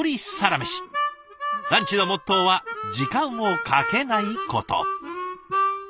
ランチのモットーは時間をかけないこと。